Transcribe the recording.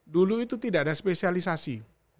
dulu itu tidak ada spesialisasi